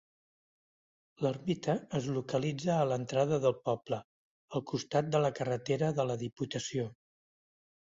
L'ermita es localitza a l'entrada del poble, al costat de la carretera de la Diputació.